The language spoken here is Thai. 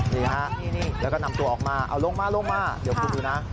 นี่ฮะแล้วก็นำตัวออกมาเอาลงมาลงมาเดี๋ยวคุณดูนะ